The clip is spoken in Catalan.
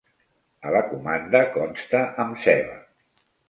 A la comanda consta amb ceba.